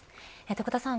福田さん